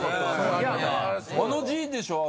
あの字でしょ？